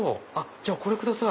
じゃあこれください。